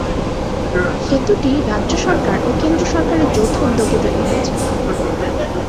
সেতুটি রাজ্য সরকার ও কেন্দ্র সরকারের যৌথ উদ্যোগে তৈরি হয়েছে।